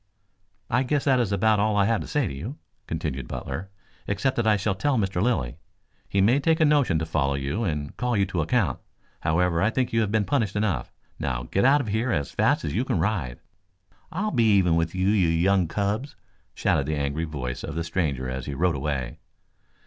"I guess that is about all I have to say to you," continued Butler. "Except that I shall tell Mr. Lilly. He may take a notion to follow you and call you to account. However, I think you have been punished enough. Now get out of here as fast as you can ride." "I'll be even with you, you young cubs!" shouted the angry voice of the stranger as he rode away.